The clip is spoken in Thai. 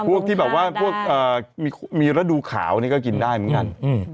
พวกที่แบบว่าพวกมีฤดูขาวนี่ก็กินได้เหมือนกัน